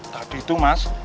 tadi itu mas